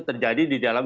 terjadi di dalam